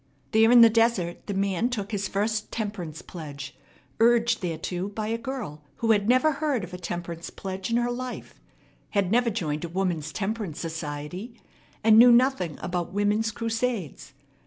There in the desert the man took his first temperance pledge, urged thereto by a girl who had never heard of a temperance pledge in her life, had never joined a woman's temperance society, and knew nothing about women's crusades.